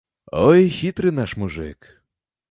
Ой, хітры наш мужык!